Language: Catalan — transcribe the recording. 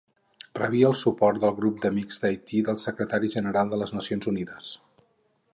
Rebia el suport del Grup d'Amics d'Haití del Secretari General de les Nacions Unides.